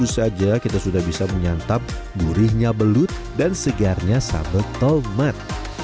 tiga puluh saja kita sudah bisa menyantap gurihnya belut dan segarnya sambel tomat